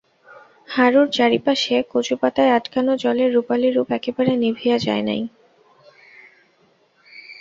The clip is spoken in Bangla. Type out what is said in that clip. হারুর চারিপাশে কচুপাতায় আটকানো জলের রুপালি রূপ একেবারে নিভিয়া যায় নাই।